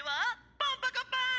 「パンパカパーン！」